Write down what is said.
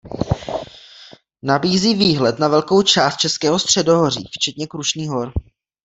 Nabízí výhled na velkou část Českého středohoří včetně Krušných hor.